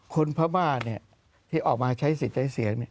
คนพระม่าเนี่ยที่ออกมาใช้สิทธิ์ใจเสียงเนี่ย